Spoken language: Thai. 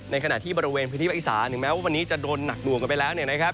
ขณะที่บริเวณพื้นที่ภาคอีสานถึงแม้ว่าวันนี้จะโดนหนักหน่วงกันไปแล้วเนี่ยนะครับ